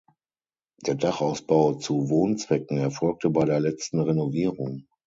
Der Dachausbau zu Wohnzwecken erfolgte bei der letzten Renovierung.